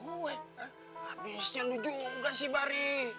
habisnya lu juga sih bari